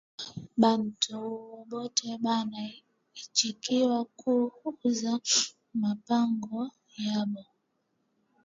Bantu bote bana ichikiwa ku uza ma mpango yabo